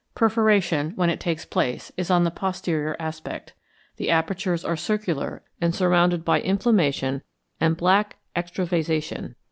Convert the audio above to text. Perforation, when it takes place, is on the posterior aspect; the apertures are circular, and surrounded by inflammation and black extravasation.